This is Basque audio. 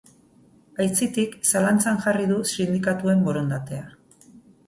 Aitzitik, zalantzan jarri du sindikatuen borondatea.